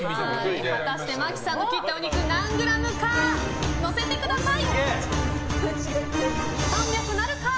果たして真木さんの切ったお肉何グラムか載せてください！